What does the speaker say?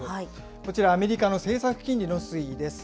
こちら、アメリカの政策金利の推移です。